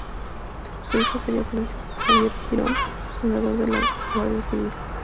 Su hijo sería Francisco Javier Girón, fundador de la Guardia Civil.